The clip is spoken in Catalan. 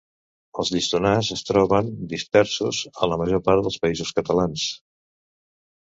Els llistonars es troben, dispersos, a la major part dels Països Catalans.